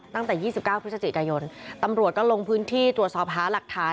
ตั้งแต่๒๙พฤศจิกายนตำรวจก็ลงพื้นที่ตรวจสอบหาหลักฐาน